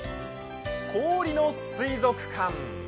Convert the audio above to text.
氷の水族館。